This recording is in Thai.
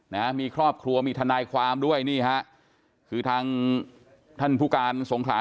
นะฮะมีครอบครัวมีทนายความด้วยนี่ฮะคือทางท่านผู้การสงขลา